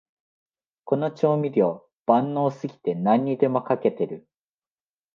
この調味料、万能すぎて何にでもかけてる